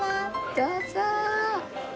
どうぞ！